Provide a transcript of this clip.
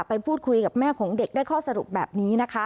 ไปพูดคุยกับแม่ของเด็กได้ข้อสรุปแบบนี้นะคะ